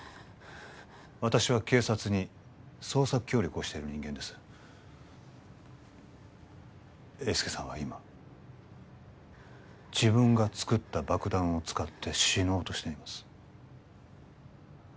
私は警察に捜査協力をしている人間です英輔さんは今自分が作った爆弾を使って死のうとしています